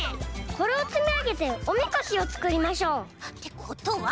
これをつみあげておみこしをつくりましょう。ってことは。